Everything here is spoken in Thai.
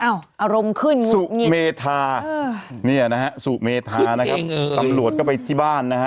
อารมณ์ขึ้นไงสุเมธาเนี่ยนะฮะสุเมธานะครับตำรวจก็ไปที่บ้านนะฮะ